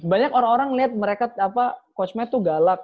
banyak orang orang liat mereka apa coach matt tuh galak